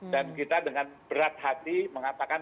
dan kita dengan berat hati mengatakan